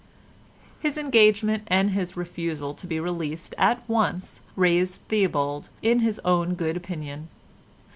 His engagement and his refusal to be released at once raised Theobald in his own good opinion.